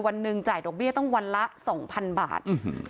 วันหนึ่งจ่ายดอกเบี้ยต้องวันละสองพันบาทอื้อหือ